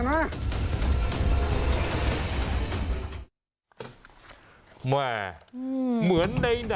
แบบนี้คือแบบนี้คือแบบนี้คือ